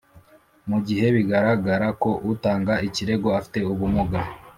Mu gihe bigaragara ko utanga ikirego afite ubumuga